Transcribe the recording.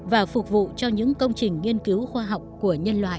và phục vụ cho những công trình nghiên cứu khoa học của nhân loại